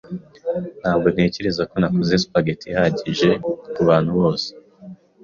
Ntabwo ntekereza ko nakoze spaghetti ihagije kubantu bose.